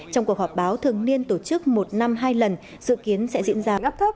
trong cuộc họp báo thường niên tổ chức một năm hai lần sự kiến sẽ diễn ra